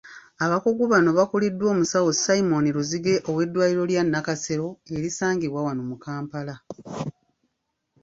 Abakugu bano bakuliddwa omusawo Simon Luzige ow'eddwaliro lya Nakasero erisangibwa wano mu Kampala.